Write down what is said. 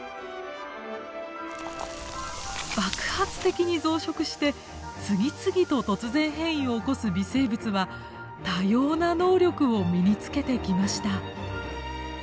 爆発的に増殖して次々と突然変異を起こす微生物は多様な能力を身につけてきました。